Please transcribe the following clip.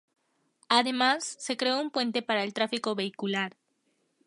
Además, se creó un puente para el tráfico vehicular.